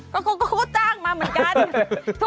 ก็เขาก็จ้างมาเหมือนกัน